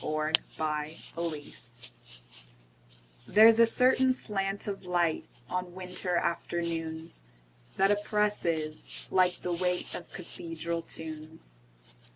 Part Two: Nature LXXXII THERE'S a certain slant of light, On winter afternoons, That oppresses, like the weightOf cathedral tunes.